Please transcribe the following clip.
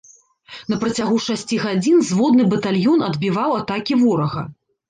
На працягу шасці гадзін зводны батальён адбіваў атакі ворага.